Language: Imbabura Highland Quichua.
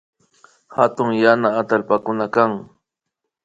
Hatun yana atallpakuna kan